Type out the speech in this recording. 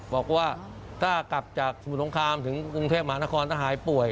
บอกว่าถ้ากลับจากสมุทรสงครามถึงกรุงเทพมหานครถ้าหายป่วย